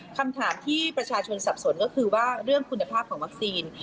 คำถามที่ประชาชนสับสนก็คือว่าเรื่องคุณภาพของวัคซีน